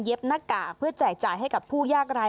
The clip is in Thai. หน้ากากเพื่อแจกจ่ายให้กับผู้ยากร้าย